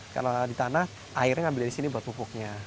karena di tanah airnya di sini buat pupuknya